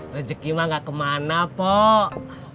rezeki mah gak kemana pok